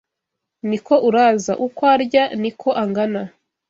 Niko Uraza Uko arya ni ko angana